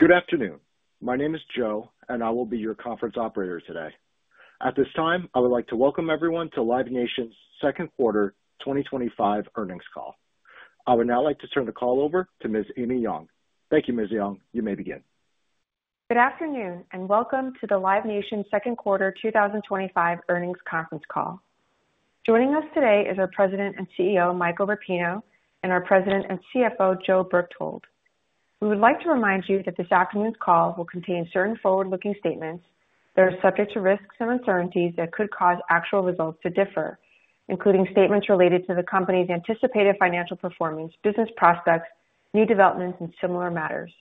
Good afternoon. My name is Joe, and I will be your conference operator today. At this time, I would like to welcome everyone to Live Nation's second quarter 2025 earnings call. I would now like to turn the call over to Ms. Amy Yong. Thank you, Ms. Yong. You may begin. Good afternoon and welcome to the Live Nation's second quarter 2025 earnings conference call. Joining us today are our President and CEO, Michael Rapino, and our President and CFO, Joe Berchtold. We would like to remind you that this afternoon's call will contain certain forward-looking statements that are subject to risks and uncertainties that could cause actual results to differ, including statements related to the company's anticipated financial performance, business prospects, new developments, and similar matters.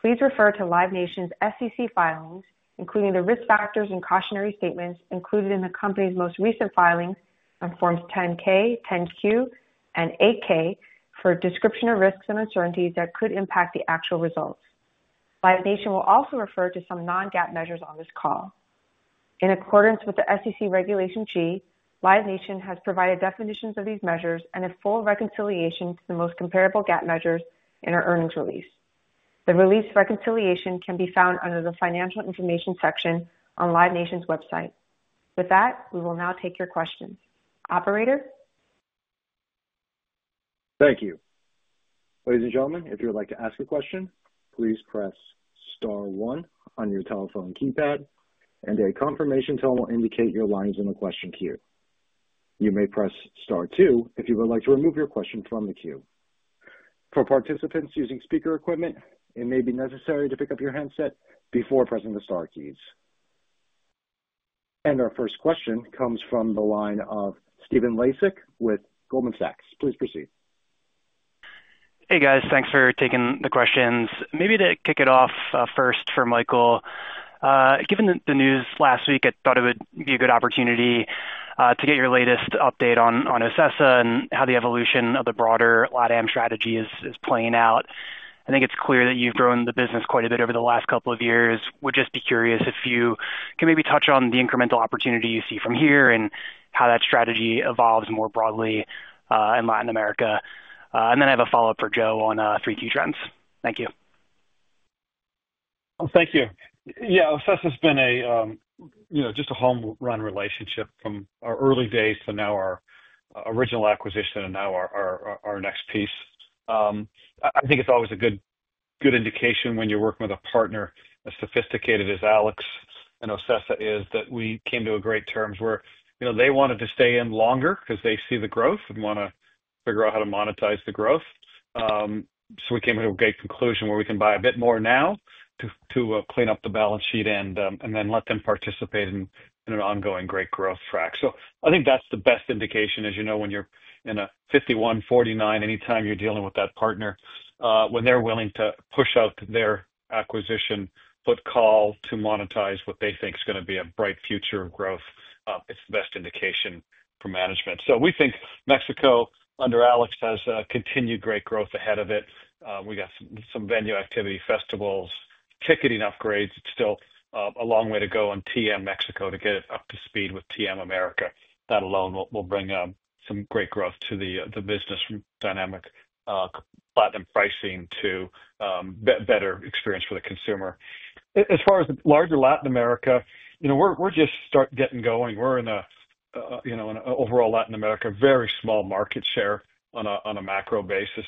Please refer to Live Nation's SEC filings, including the risk factors and cautionary statements included in the company's most recent filings on forms 10-K, 10-Q, and 8-K for a description of risks and uncertainties that could impact the actual results. Live Nation will also refer to some non-GAAP measures on this call. In accordance with SEC Regulation G, Live Nation Entertainment has provided definitions of these measures and a full reconciliation to the most comparable GAAP measures in our earnings release. The release reconciliation can be found under the financial information section on Live Nation's website. With that, we will now take your questions. Operator? Thank you. Ladies and gentlemen, if you would like to ask a question, please press star one on your telephone keypad, and a confirmation tone will indicate your line is in the question queue. You may press star two if you would like to remove your question from the queue. For participants using speaker equipment, it may be necessary to pick up your headset before pressing the star keys. Our first question comes from the line of Stephen Laszczyk with Goldman Sachs. Please proceed. Hey guys, thanks for taking the questions. Maybe to kick it off first for Michael, given the news last week, I thought it would be a good opportunity to get your latest update on OCESA and how the evolution of the broader LatAm strategy is playing out. I think it's clear that you've grown the business quite a bit over the last couple of years. Would just be curious if you can maybe touch on the incremental opportunity you see from here and how that strategy evolves more broadly in Latin America. I have a follow-up for Joe on 3Q trends. Thank you. Thank you. OCESA has been a, you know, just a home run relationship from our early days to now, our original acquisition and now our next piece. I think it's always a good indication when you're working with a partner as sophisticated as Alex and OCESA is that we came to great terms where, you know, they wanted to stay in longer because they see the growth and want to figure out how to monetize the growth. We came to a great conclusion where we can buy a bit more now to clean up the balance sheet and then let them participate in an ongoing great growth track. I think that's the best indication, as you know, when you're in a 51/49 anytime you're dealing with that partner, when they're willing to push out their acquisition, put call to monetize what they think is going to be a bright future of growth. It's the best indication for management. We think Mexico under Alex has continued great growth ahead of it. We got some venue activity, festivals, ticketing upgrades. It's still a long way to go on TM Mexico to get it up to speed with TM America. That alone will bring some great growth to the business from dynamic Platinum pricing to a better experience for the consumer. As far as the larger Latin America, you know, we're just getting going. We're in a, you know, overall Latin America, very small market share on a macro basis.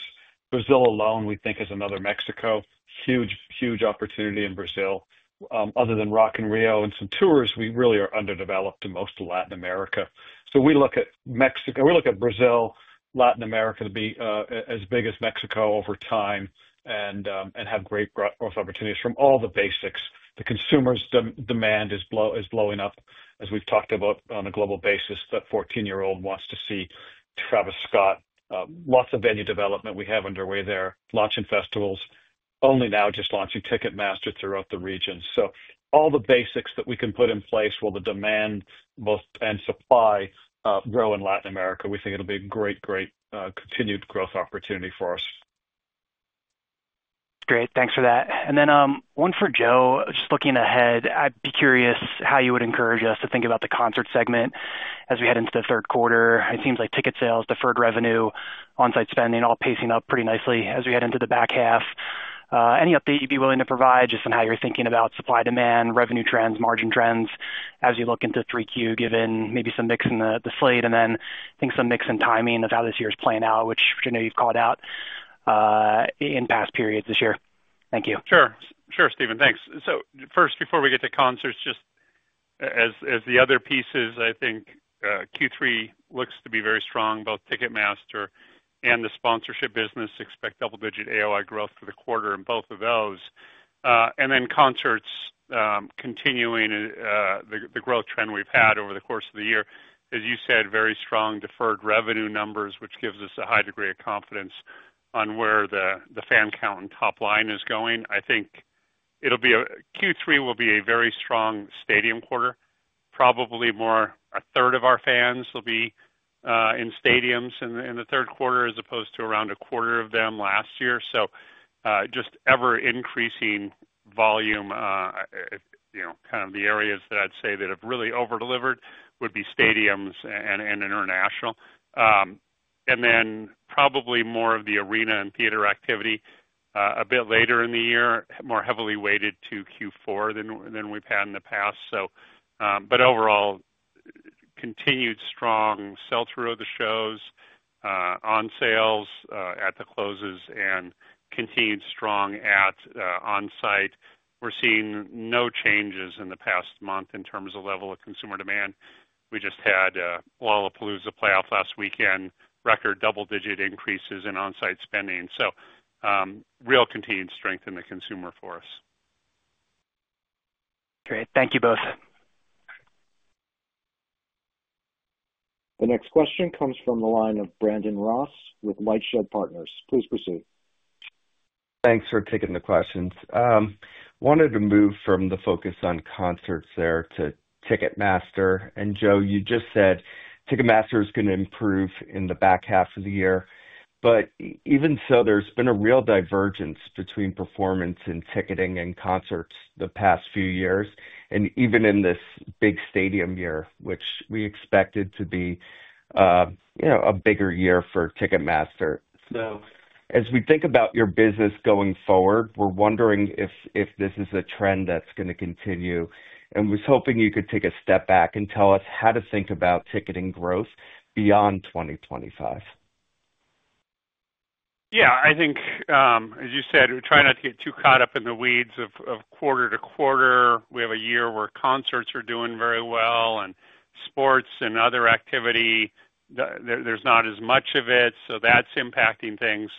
Brazil alone, we think, is another Mexico. Huge, huge opportunity in Brazil. Other than Rock in Rio and some tours, we really are underdeveloped in most of Latin America. We look at Mexico, we look at Brazil, Latin America to be as big as Mexico over time and have great growth opportunities from all the basics. The consumer's demand is blowing up, as we've talked about on a global basis, that 14-year-old wants to see Travis Scott. Lots of venue development we have underway there, launching festivals, only now just launching Ticketmaster throughout the region. All the basics that we can put in place while the demand both and supply grow in Latin America, we think it'll be a great, great continued growth opportunity for us. Great, thanks for that. One for Joe, just looking ahead, I'd be curious how you would encourage us to think about the concert segment as we head into the third quarter. It seems like ticket sales, deferred revenue, onsite spending, all pacing up pretty nicely as we head into the back half. Any update you'd be willing to provide just on how you're thinking about supply demand, revenue trends, margin trends as you look into 3Q, given maybe some mix in the slate and then I think some mix in timing of how this year is playing out, which I know you've called out in past periods this year? Thank you. Sure, Steven, thanks. First, before we get to concerts, just as the other pieces, I think Q3 looks to be very strong. Both Ticketmaster and the sponsorship business expect double-digit AOI growth for the quarter in both of those. Then concerts continuing the growth trend we've had over the course of the year. As you said, very strong deferred revenue numbers, which gives us a high degree of confidence on where the fan count and top line is going. I think Q3 will be a very strong stadium quarter. Probably more than a third of our fans will be in stadiums in the third quarter as opposed to around a quarter of them last year. Just ever-increasing volume. The areas that I'd say that have really over-delivered would be stadiums and international. Probably more of the arena and theater activity a bit later in the year, more heavily weighted to Q4 than we've had in the past. Overall, continued strong sell-through of the shows, on sales at the closes, and continued strong at onsite. We're seeing no changes in the past month in terms of level of consumer demand. We just had Lollapalooza play off last weekend, record double-digit increases in onsite spending. Real continued strength in the consumer for us. Thank you both. The next question comes from the line of Brandon Ross with LightShed Partners. Please proceed. Thanks for taking the questions. Wanted to move from the focus on concerts to Ticketmaster. Joe, you just said Ticketmaster is going to improve in the back half of the year. Even so, there's been a real divergence between performance in ticketing and concerts the past few years. Even in this big stadium year, which we expected to be a bigger year for Ticketmaster. As we think about your business going forward, we're wondering if this is a trend that's going to continue. I was hoping you could take a step back and tell us how to think about ticketing growth beyond 2025. Yeah, I think, as you said, we're trying not to get too caught up in the weeds of quarter to quarter. We have a year where concerts are doing very well and sports and other activity, there's not as much of it. That's impacting things.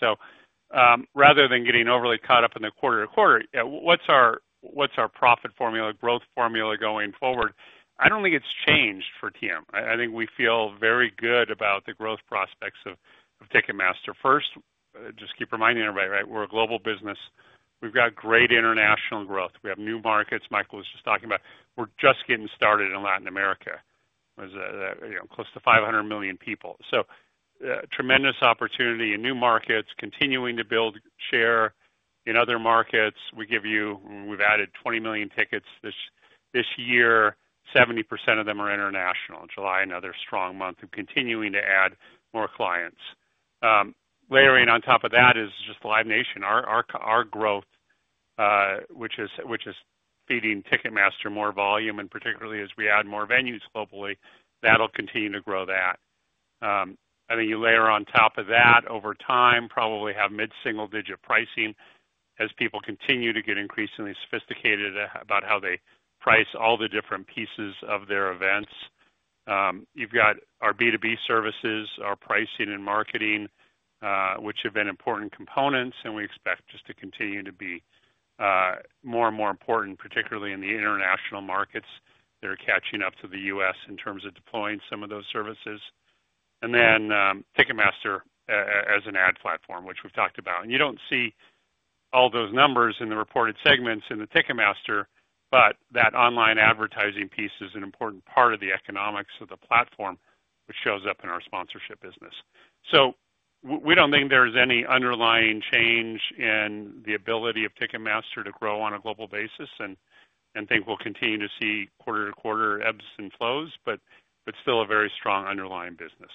Rather than getting overly caught up in the quarter to quarter, what's our profit formula, growth formula going forward? I don't think it's changed for TM. I think we feel very good about the growth prospects of Ticketmaster. First, just keep reminding everybody, right? We're a global business. We've got great international growth. We have new markets. Michael was just talking about we're just getting started in Latin America. It was close to 500 million people. Tremendous opportunity in new markets, continuing to build share in other markets. We've added 20 million tickets this year. 70% of them are international. In July, another strong month, and continuing to add more clients. Layering on top of that is just Live Nation, our growth, which is feeding Ticketmaster more volume, and particularly as we add more venues globally, that'll continue to grow that. I think you layer on top of that over time, probably have mid-single-digit pricing as people continue to get increasingly sophisticated about how they price all the different pieces of their events. You've got our B2B services, our pricing and marketing, which have been important components, and we expect just to continue to be more and more important, particularly in the international markets that are catching up to the U.S. in terms of deploying some of those services. Ticketmaster as an ad platform, which we've talked about, you don't see all those numbers in the reported segments in Ticketmaster, but that online advertising piece is an important part of the economics of the platform, which shows up in our sponsorship business. We don't think there's any underlying change in the ability of Ticketmaster to grow on a global basis and think we'll continue to see quarter to quarter ebbs and flows, but still a very strong underlying business.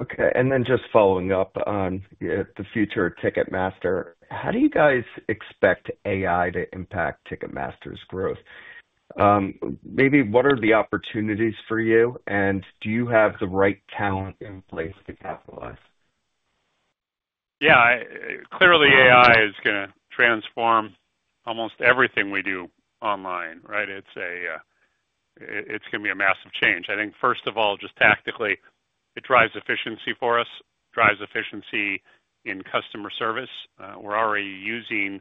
Okay, and then just following up on the future of Ticketmaster, how do you guys expect AI to impact Ticketmaster's growth? Maybe what are the opportunities for you, and do you have the right talent in place to capitalize? Yeah, clearly AI is going to transform almost everything we do online, right? It's going to be a massive change. I think first of all, just tactically, it drives efficiency for us, drives efficiency in customer service. We're already using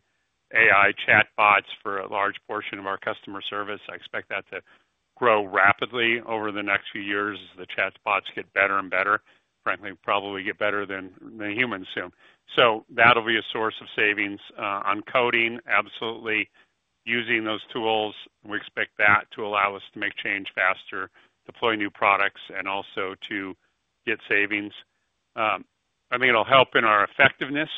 AI chatbots for a large portion of our customer service. I expect that to grow rapidly over the next few years as the chatbots get better and better. Frankly, probably get better than humans soon. That'll be a source of savings on coding, absolutely. Using those tools, we expect that to allow us to make change faster, deploy new products, and also to get savings. I think it'll help in our effectiveness.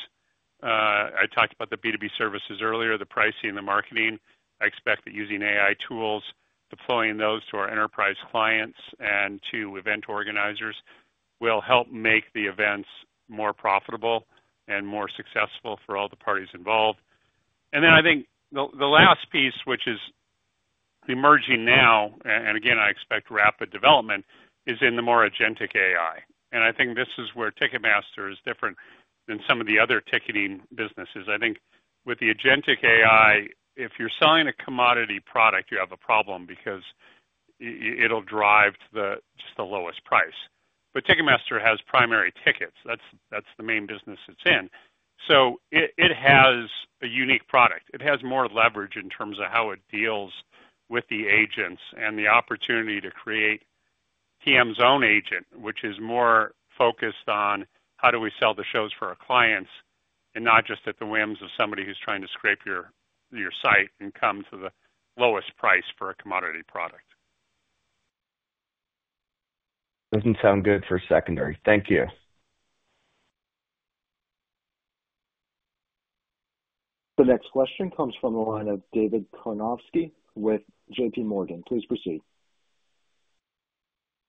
I talked about the B2B services earlier, the pricing, the marketing. I expect that using AI tools, deploying those to our enterprise clients and to event organizers will help make the events more profitable and more successful for all the parties involved. I think the last piece, which is emerging now, and again, I expect rapid development, is in the more agentic AI. I think this is where Ticketmaster is different than some of the other ticketing businesses. I think with the agentic AI, if you're selling a commodity product, you have a problem because it'll drive to just the lowest price. Ticketmaster has primary tickets. That's the main business it's in. It has a unique product. It has more leverage in terms of how it deals with the agents and the opportunity to create TM's own agent, which is more focused on how do we sell the shows for our clients and not just at the whims of somebody who's trying to scrape your site and come to the lowest price for a commodity product. Doesn't sound good for secondary. Thank you. The next question comes from the line of David Karnovsky with JPMorgan. Please proceed.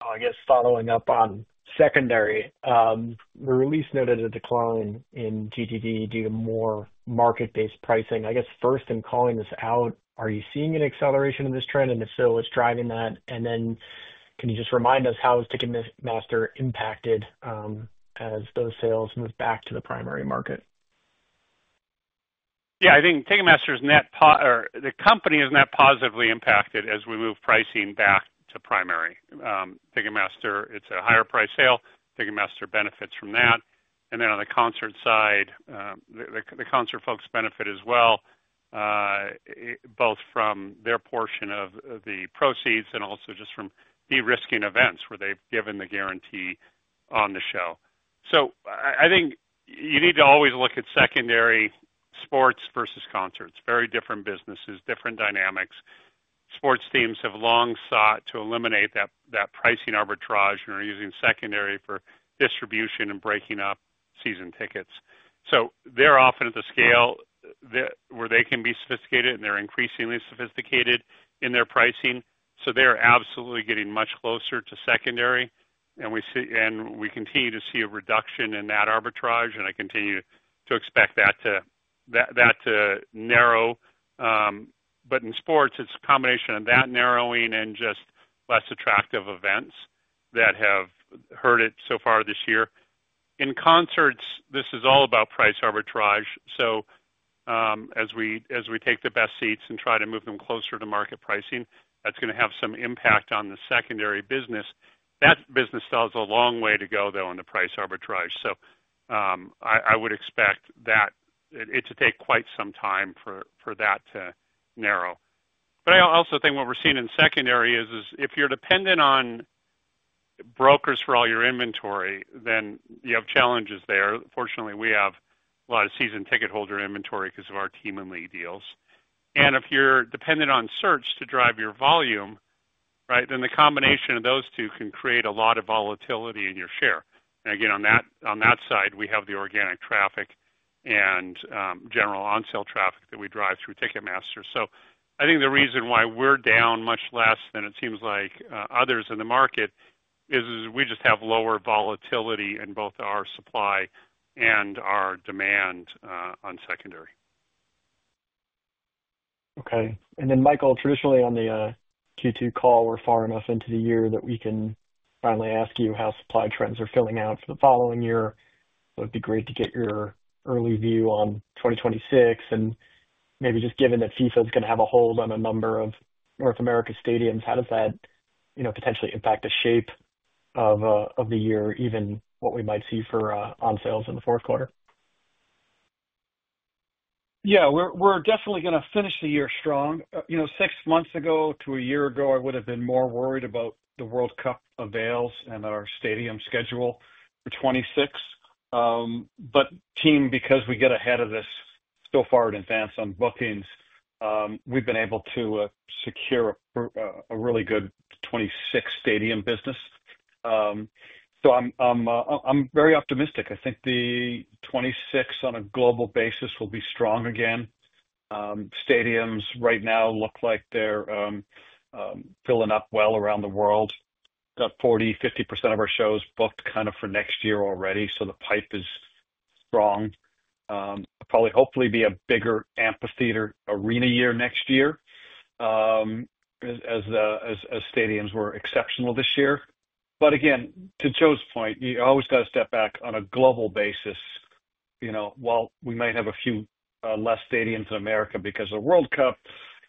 I guess following up on secondary, the release noted a decline in GDV due to more market-based pricing. First, in calling this out, are you seeing an acceleration of this trend? If so, what's driving that? Can you just remind us how Ticketmaster is impacted as those sales move back to the primary market? Yeah, I think Ticketmaster's net or the company is net positively impacted as we move pricing back to primary. Ticketmaster, it's a higher price sale. Ticketmaster benefits from that. Then on the concert side, the concert folks benefit as well, both from their portion of the proceeds and also just from de-risking events where they've given the guarantee on the show. I think you need to always look at secondary sports versus concerts. Very different businesses, different dynamics. Sports teams have long sought to eliminate that pricing arbitrage and are using secondary for distribution and breaking up season tickets. They're often at the scale where they can be sophisticated and they're increasingly sophisticated in their pricing. They're absolutely getting much closer to secondary. We continue to see a reduction in that arbitrage and I continue to expect that to narrow. In sports, it's a combination of that narrowing and just less attractive events that have hurt it so far this year. In concerts, this is all about price arbitrage. As we take the best seats and try to move them closer to market pricing, that's going to have some impact on the secondary business. That business still has a long way to go, though, in the price arbitrage. I would expect that it should take quite some time for that to narrow. I also think what we're seeing in secondary is if you're dependent on brokers for all your inventory, then you have challenges there. Fortunately, we have a lot of season ticket holder inventory because of our team and lead deals. If you're dependent on search to drive your volume, right, then the combination of those two can create a lot of volatility in your share. Again, on that side, we have the organic traffic and general on-sale traffic that we drive through Ticketmaster. I think the reason why we're down much less than it seems like others in the market is we just have lower volatility in both our supply and our demand on secondary. Okay. Michael, traditionally on the Q2 call, we're far enough into the year that we can finally ask you how supply trends are filling out for the following year. It would be great to get your early view on 2026. Maybe just given that FIFA is going to have a hold on a number of North America stadiums, how does that potentially impact the shape of the year, even what we might see for on sales in the fourth quarter? Yeah, we're definitely going to finish the year strong. Six months ago to a year ago, I would have been more worried about the World Cup avails and our stadium schedule for 2026. The team, because we get ahead of this so far in advance on bookings, we've been able to secure a really good 2026 stadium business. I'm very optimistic. I think 2026 on a global basis will be strong again. Stadiums right now look like they're filling up well around the world. Got 40%, 50% of our shows booked for next year already. The pipe is strong. Probably hopefully be a bigger amphitheater arena year next year as stadiums were exceptional this year. Again, to Joe's point, you always got to step back on a global basis. While we might have a few less stadiums in America because of the World Cup,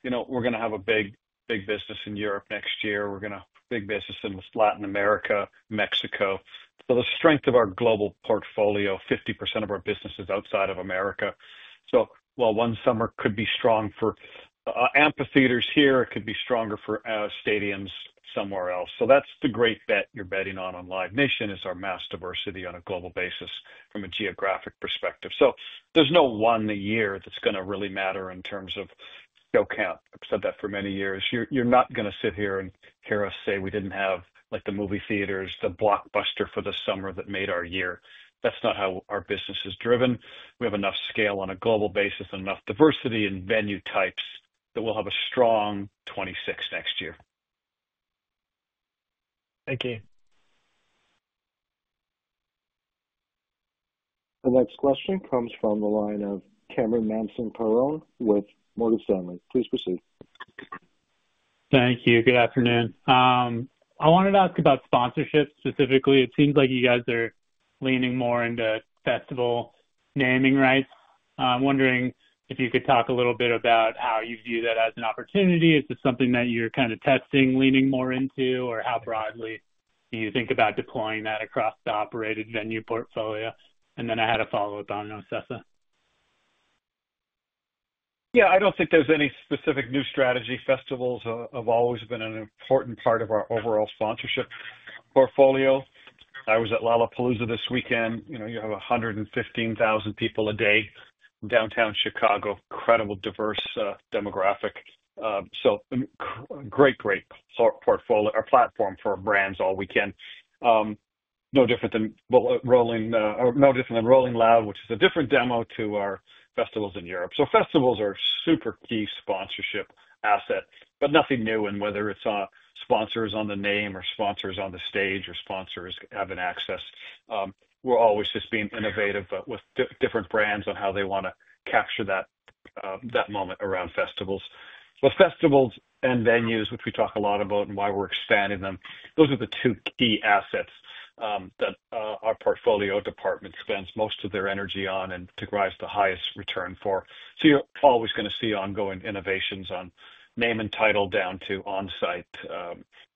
we're going to have a big, big business in Europe next year. We're going to have a big business in Latin America, Mexico. The strength of our global portfolio, 50% of our business is outside of America. While one summer could be strong for amphitheaters here, it could be stronger for stadiums somewhere else. That's the great bet you're betting on, on Live Nation Entertainment is our mass diversity on a global basis from a geographic perspective. There's no one year that's going to really matter in terms of show count. I've said that for many years. You're not going to sit here and hear us say we didn't have like the movie theaters, the blockbuster for the summer that made our year. That's not how our business is driven. We have enough scale on a global basis and enough diversity in venue types that we'll have a strong 2026 next year. Thank you. The next question comes from the line of Cameron Mansson-Perrone with Morgan Stanley. Please proceed. Thank you. Good afternoon. I wanted to ask about sponsorship specifically. It seems like you guys are leaning more into festival naming rights. I'm wondering if you could talk a little bit about how you view that as an opportunity. Is this something that you're kind of testing, leaning more into, or how broadly do you think about deploying that across the operated venue portfolio? I'll add a follow-up on OCESA. Yeah, I don't think there's any specific new strategy. Festivals have always been an important part of our overall sponsorship portfolio. I was at Lollapalooza this weekend. You have 115,000 people a day in downtown Chicago, incredible diverse demographic. A great, great portfolio or platform for brands all weekend. No different than Rolling Loud, which is a different demo to our festivals in Europe. Festivals are a super key sponsorship asset, nothing new. Whether it's sponsors on the name or sponsors on the stage or sponsors having access, we're always just being innovative with different brands on how they want to capture that moment around festivals. Festivals and venues, which we talk a lot about and why we're expanding them, those are the two key assets that our portfolio department spends most of their energy on and derives the highest return for. You're always going to see ongoing innovations on name and title down to on-site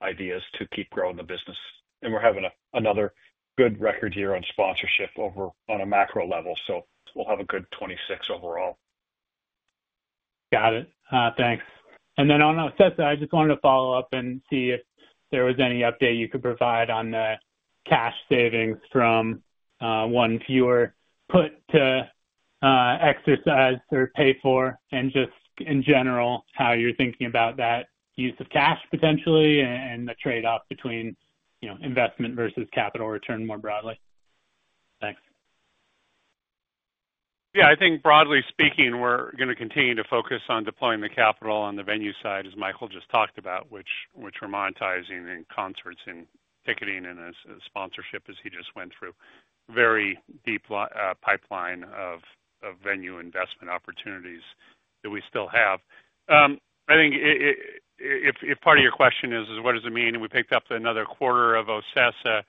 ideas to keep growing the business. We're having another good record year on sponsorship over on a macro level. We'll have a good 2026 overall. Got it. Thanks. On OCESA, I just wanted to follow up and see if there was any update you could provide on the cash savings from one fewer put to exercise or pay for, and just in general how you're thinking about that use of cash potentially and the trade-off between investment versus capital return more broadly. Thanks. Yeah, I think broadly speaking, we're going to continue to focus on deploying the capital on the venue side, as Michael just talked about, which we're monetizing in concerts and ticketing and as a sponsorship, as he just went through. Very deep pipeline of venue investment opportunities that we still have. I think if part of your question is, what does it mean? We picked up another quarter of OCESA.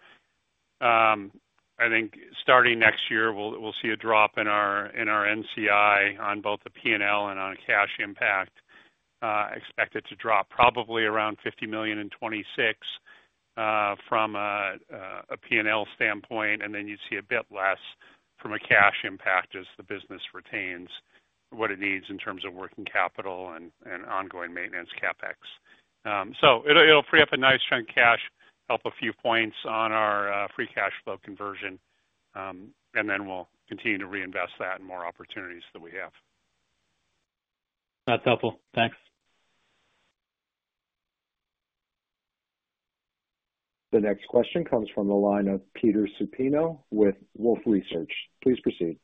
I think starting next year, we'll see a drop in our NCI on both the P&L and on a cash impact. Expect it to drop probably around $50 million in 2026 from a P&L standpoint. You'd see a bit less from a cash impact as the business retains what it needs in terms of working capital and ongoing maintenance CapEx. It'll free up a nice chunk of cash, help a few points on our free cash flow conversion. We'll continue to reinvest that in more opportunities that we have. That's helpful. Thanks. The next question comes from the line of Peter Supino with Wolfe Research. Please proceed.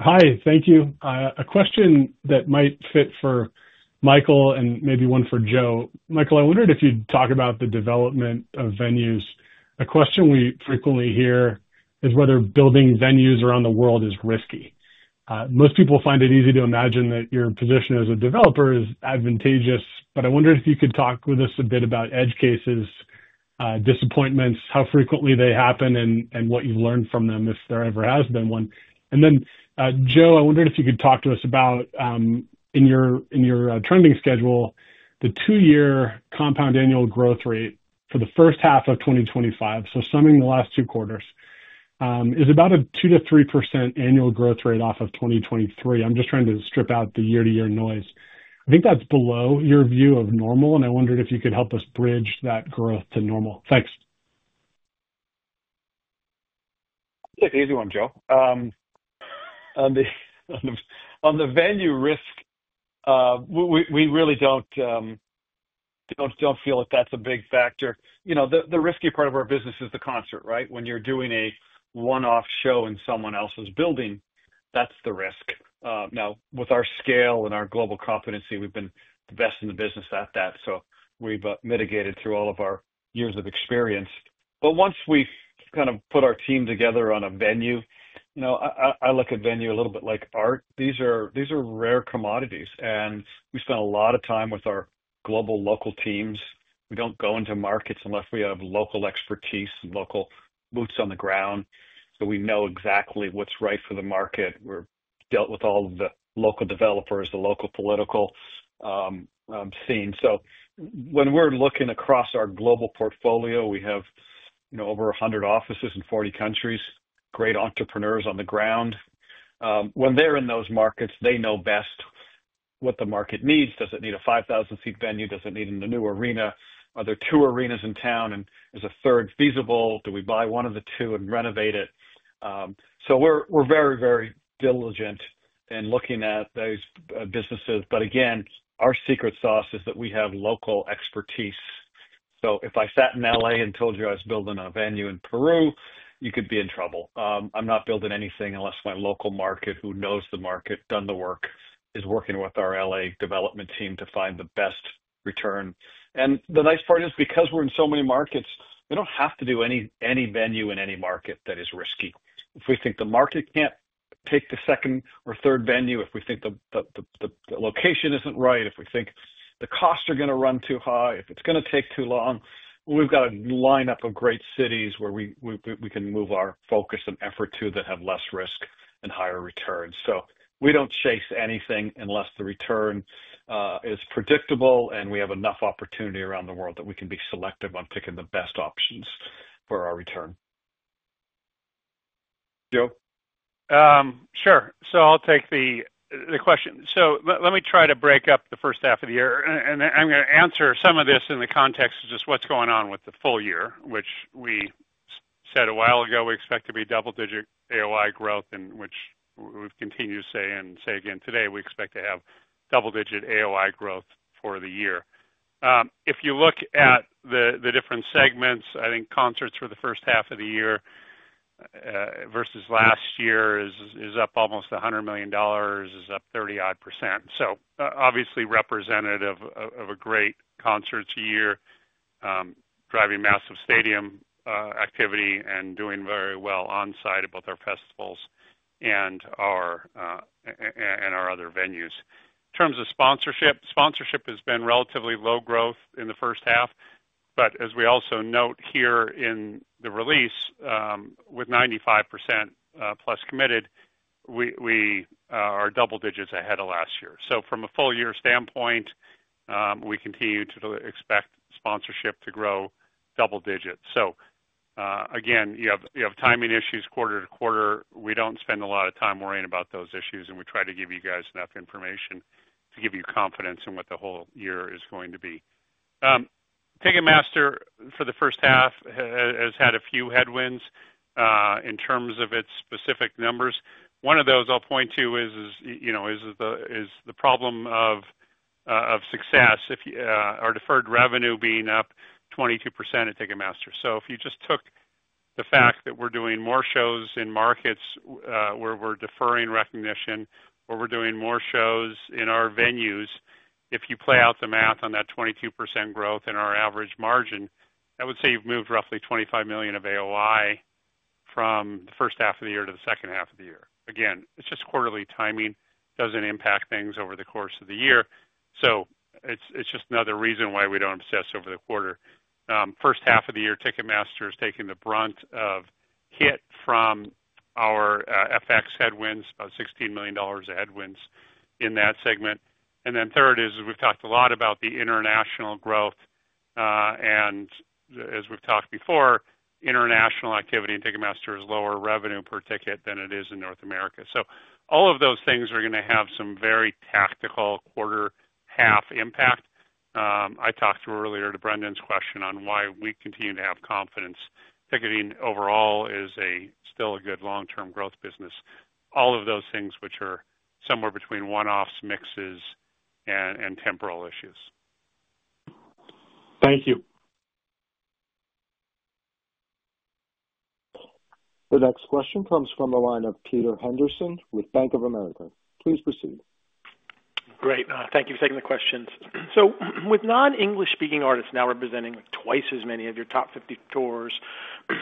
Hi, thank you. A question that might fit for Michael and maybe one for Joe. Michael, I wondered if you'd talk about the development of venues. A question we frequently hear is whether building venues around the world is risky. Most people find it easy to imagine that your position as a developer is advantageous, but I wondered if you could talk with us a bit about edge cases, disappointments, how frequently they happen, and what you've learned from them if there ever has been one. Joe, I wondered if you could talk to us about, in your trending schedule, the two-year compound annual growth rate for the first half of 2025. Summing the last two quarters, it is about a 2%-3% annual growth rate off of 2023. I'm just trying to strip out the year-to-year noise. I think that's below your view of normal, and I wondered if you could help us bridge that growth to normal. Thanks. Yeah, it's an easy one, Joe. On the venue risk, we really don't feel that, that's a big factor. You know, the risky part of our business is the concert, right? When you're doing a one-off show in someone else's building, that's the risk. Now, with our scale and our global competency, we've been the best in the business at that. We've mitigated through all of our years of experience. Once we've kind of put our team together on a venue, I look at venue a little bit like art. These are rare commodities, and we spend a lot of time with our global local teams. We don't go into markets unless we have local expertise and local boots on the ground, so we know exactly what's right for the market. We've dealt with all of the local developers, the local political scene. When we're looking across our global portfolio, we have over 100 offices in 40 countries, great entrepreneurs on the ground. When they're in those markets, they know best what the market needs. Does it need a 5,000-seat venue? Does it need a new arena? Are there two arenas in town, and is a third feasible? Do we buy one of the two and renovate it? We're very, very diligent in looking at those businesses. Our secret sauce is that we have local expertise. If I sat in L.A. and told you I was building a venue in Peru, you could be in trouble. I'm not building anything unless my local market, who knows the market, done the work, is working with our L.A. development team to find the best return. The nice part is because we're in so many markets, we don't have to do any venue in any market that is risky. If we think the market can't take the second or third venue, if we think the location isn't right, if we think the costs are going to run too high, if it's going to take too long, we've got a lineup of great cities where we can move our focus and effort to that have less risk and higher returns. We don't chase anything unless the return is predictable, and we have enough opportunity around the world that we can be selective on picking the best options for our return. Joe. Sure. I'll take the question. Let me try to break up the first half of the year. I'm going to answer some of this in the context of just what's going on with the full year, which we said a while ago, we expect to be double-digit AOI growth, and which we've continued to say and say again today, we expect to have double-digit AOI growth for the year. If you look at the different segments, I think concerts for the first half of the year versus last year is up almost $100 million, is up 30% odd. Obviously, representative of a great concerts year, driving massive stadium activity, and doing very well on site at both our festivals and our other venues. In terms of sponsorship, sponsorship has been relatively low growth in the first half. As we also note here in the release, with 95%+ committed, we are double digits ahead of last year. From a full year standpoint, we continue to expect sponsorship to grow double digits. You have timing issues quarter to quarter. We don't spend a lot of time worrying about those issues, and we try to give you guys enough information to give you confidence in what the whole year is going to be. Ticketmaster for the first half has had a few headwinds in terms of its specific numbers. One of those I'll point to is the problem of success, our deferred revenue being up 22% at Ticketmaster. If you just took the fact that we're doing more shows in markets where we're deferring recognition or we're doing more shows in our venues, if you play out the math on that 22% growth in our average margin, I would say you've moved roughly $25 million of AOI from the first half of the year to the second half of the year. It's just quarterly timing, doesn't impact things over the course of the year. It's just another reason why we don't obsess over the quarter. First half of the year, Ticketmaster is taking the brunt of hit from our FX headwinds, about $16 million headwinds in that segment. Third is we've talked a lot about the international growth. As we've talked before, international activity in Ticketmaster is lower revenue per ticket than it is in North America. All of those things are going to have some very tactical quarter, half impact. I talked earlier to Brandon's question on why we continue to have confidence. Ticketing overall is still a good long-term growth business. All of those things which are somewhere between one-offs, mixes, and temporal issues. Thank you. The next question comes from the line of Peter Henderson with Bank of America. Please proceed. Great. Thank you for taking the questions. With non-English speaking artists now representing twice as many of your top 50 tours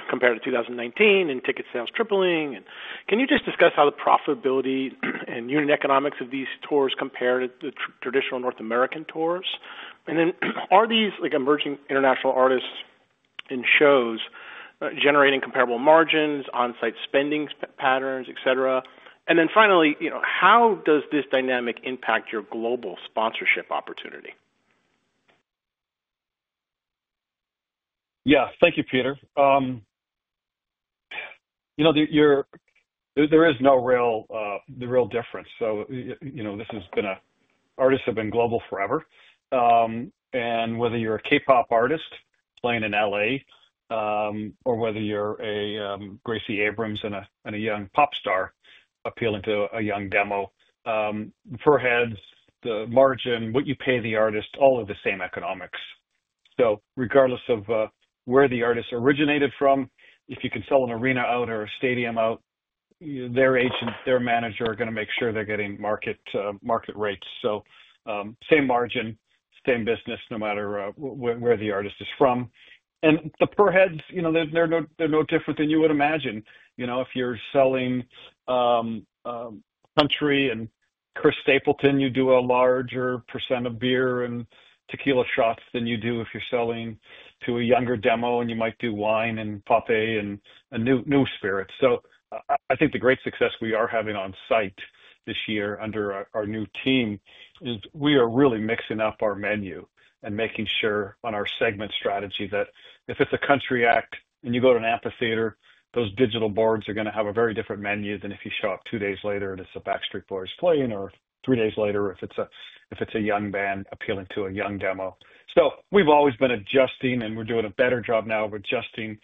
compared to 2019 and ticket sales tripling, can you just discuss how the profitability and unit economics of these tours compare to the traditional North American tours? Are these emerging international artists in shows generating comparable margins, onsite spending patterns, et cetera? Finally, how does this dynamic impact your global sponsorship opportunity? Yeah, thank you, Peter. There is no real difference. This has been an artist who's been global forever. Whether you're a K-pop artist playing in L.A. or whether you're a Gracie Abrams and a young pop star appealing to a young demo. The per-heads, the margin, what you pay the artist, all of the same economics. Regardless of where the artist originated from, if you can sell an arena out or a stadium out, their agent, their manager are going to make sure they're getting market rates. Same margin, same business no matter where the artist is from. The per-heads, they're no different than you would imagine. If you're selling country and Chris Stapleton, you do a larger percent of beer and tequila shots than you do if you're selling to a younger demo, and you might do wine and poppy and new spirits. I think the great success we are having on site this year under our new team is we are really mixing up our menu and making sure on our segment strategy that if it's a country act and you go to an amphitheater, those digital boards are going to have a very different menu than if you show up two days later and it's a Backstreet Boys playing or three days later if it's a young band appealing to a young demo. We've always been adjusting and we're doing a better job now of adjusting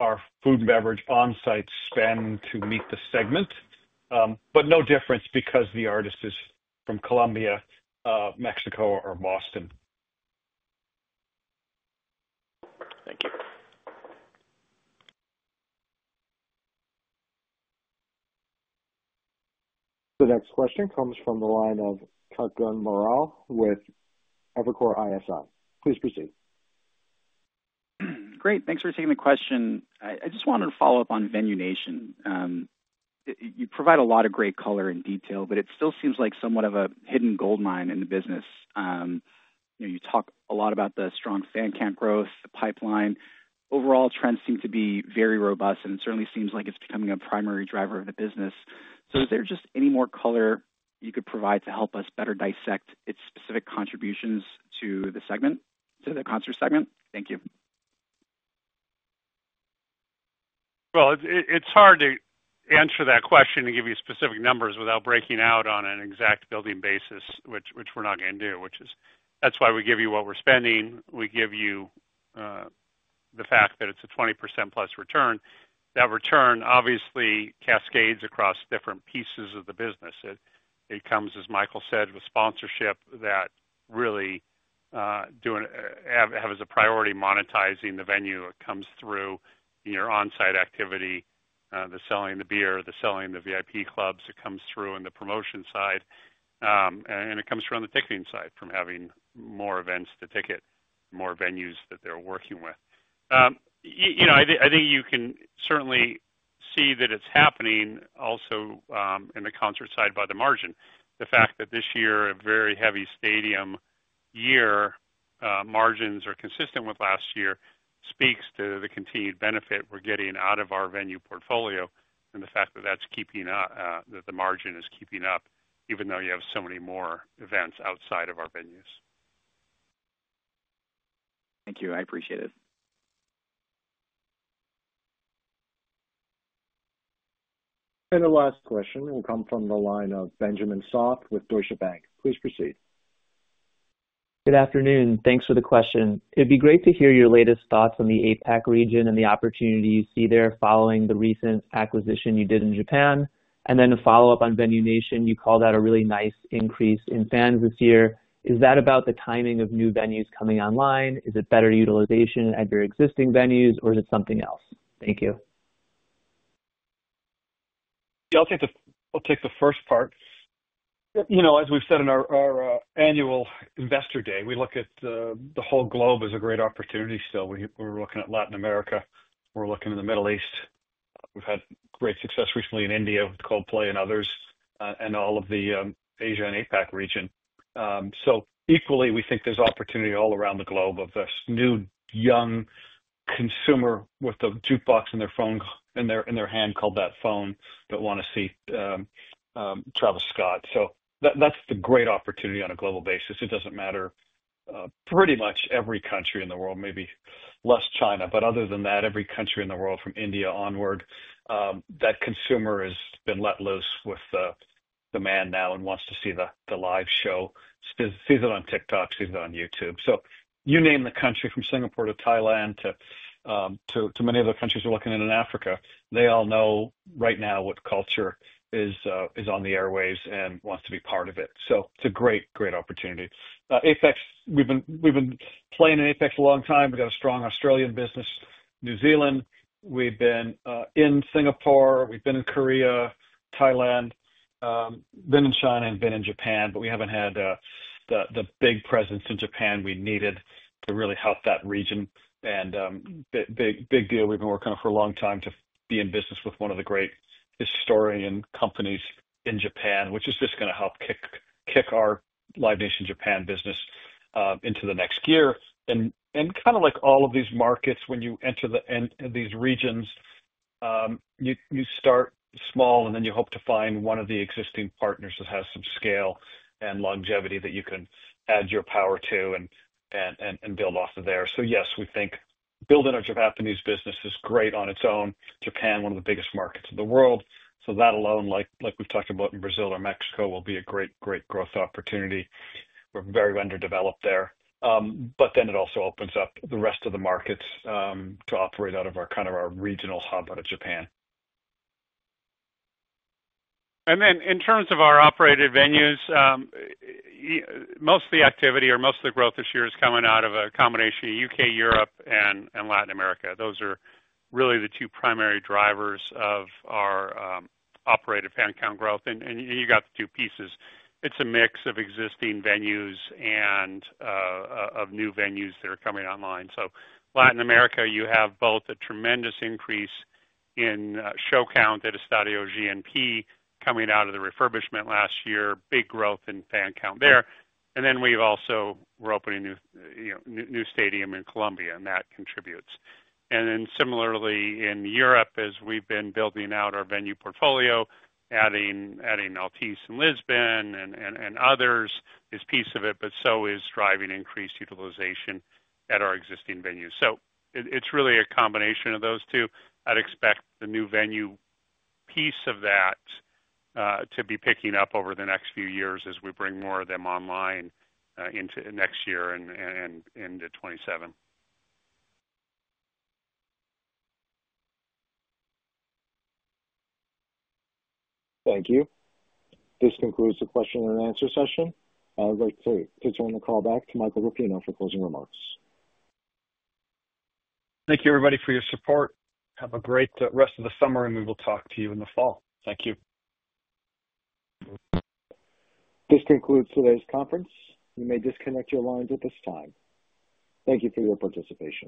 our food and beverage onsite spend to meet the segment. No difference because the artist is from Colombia, Mexico, or Boston. The next question comes from the line of Kutgun Maral with Evercore ISI. Please, proceed. Great, thanks for taking the question. I just wanted to follow up on Venue Nation. You provide a lot of great color and detail, but it still seems like somewhat of a hidden gold mine in the business. You know, you talk a lot about the strong fan growth, the pipeline. Overall, trends seem to be very robust, and it certainly seems like it's becoming a primary driver of the business. Is there just any more color you could provide to help us better dissect its specific contributions to the segment, to the concert segment? Thank you. It's hard to answer that question and give you specific numbers without breaking out on an exact building basis, which we're not going to do, which is why we give you what we're spending. We give you the fact that it's a 20%+ return. That return obviously cascades across different pieces of the business. It comes, as Michael said, with sponsorship that really has a priority monetizing the venue. It comes through in your onsite activity, the selling of the beer, the selling of the VIP clubs. It comes through in the promotion side. It comes through on the ticketing side from having more events to ticket, more venues that they're working with. You know, I think you can certainly see that it's happening also in the concert side by the margin. The fact that this year, a very heavy stadium year, margins are consistent with last year speaks to the continued benefit we're getting out of our venue portfolio and the fact that that's keeping up, that the margin is keeping up, even though you have so many more events outside of our venues. Thank you. I appreciate it. The last question will come from the line of Benjamin Soff with Deutsche Bank. Please, proceed. Good afternoon. Thanks for the question. It'd be great to hear your latest thoughts on the APAC region and the opportunity you see there following the recent acquisition you did in Japan. A follow-up on Venue Nation, you called out a really nice increase in fans this year. Is that about the timing of new venues coming online, better utilization at your existing venues, or is it something else? Thank you. Yeah, I'll take the first part. As we've said in our annual Investor Day, we look at the whole globe as a great opportunity. Still, we're looking at Latin America. We're looking in the Middle East. We've had great success recently in India with Coldplay and others and all of the Asia and APAC region. Equally, we think there's opportunity all around the globe with this new young consumer with a jukebox in their hand called that phone that wants to see Travis Scott. That's the great opportunity on a global basis. It doesn't matter. Pretty much every country in the world, maybe less China, but other than that, every country in the world from India onward, that consumer has been let loose with the demand now and wants to see the live show, sees it on TikTok, sees it on YouTube. You name the country from Singapore to Thailand to many of the countries you're looking at in Africa, they all know right now what culture is on the airwaves and want to be part of it. It's a great, great opportunity. APAC, we've been playing in APAC a long time. We've got a strong Australian business, New Zealand. We've been in Singapore. We've been in Korea, Thailand. Been in China and been in Japan, but we haven't had the big presence in Japan we needed to really help that region. A big deal we've been working on for a long time to be in business with one of the great historian companies in Japan is just going to help kick our Live Nation Japan business into the next year. Kind of like all of these markets, when you enter these regions, you start small and then you hope to find one of the existing partners that has some scale and longevity that you can add your power to and build off of there. Yes, we think building our Japanese business is great on its own. Japan, one of the biggest markets in the world. That alone, like we've talked about in Brazil or Mexico, will be a great, great growth opportunity. We're very underdeveloped there. It also opens up the rest of the markets to operate out of our regional hub out of Japan. In terms of our operated venues, most of the activity or most of the growth this year is coming out of a combination of U.K., Europe, and Latin America. Those are really the two primary drivers of our operated fan count growth. You got the two pieces. It's a mix of existing venues and of new venues that are coming online. Latin America, you have both a tremendous increase in show count at Estadio GNP coming out of the refurbishment last year, big growth in fan count there. We've also been opening a new stadium in Colombia, and that contributes. Similarly, in Europe, as we've been building out our venue portfolio, adding Altice in Lisbon and others is a piece of it, but so is driving increased utilization at our existing venues. It is really a combination of those two. I'd expect the new venue piece of that to be picking up over the next few years as we bring more of them online into next year and into 2027. Thank you. This concludes the question and answer session. I'd like to turn the call back to Michael Rapino for closing remarks. Thank you, everybody, for your support. Have a great rest of the summer, and we will talk to you in the fall. Thank you. This concludes today's conference. You may disconnect your lines at this time. Thank you for your participation.